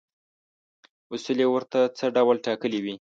اصول یې ورته څه ډول ټاکلي وي.